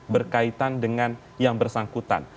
berkaitan dengan yang bersangkutan